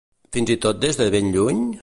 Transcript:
Fins i tot des de ben lluny?